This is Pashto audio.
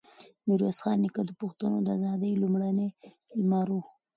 ميرويس خان نیکه د پښتنو د ازادۍ لومړنی لمر و.